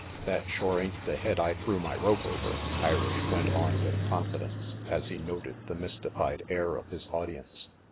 "That shore ain't the head I threw my rope over," Irish went on with confidence, as he noted the mystified air of his audience.